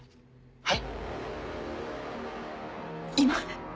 はい。